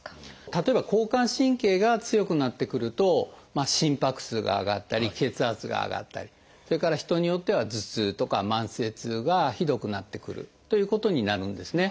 例えば交感神経が強くなってくると心拍数が上がったり血圧が上がったりそれから人によっては頭痛とか慢性痛がひどくなってくるということになるんですね。